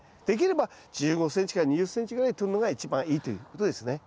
できれば１５ｃｍ２０ｃｍぐらいでとるのが一番いいということですね。